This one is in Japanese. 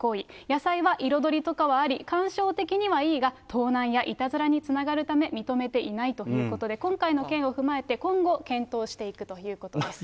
野菜は彩りとかはあり、観賞的にはいいが、盗難やいたずらにつながるため認めていないということで、今回の件を踏まえて、今後、検討していくということです。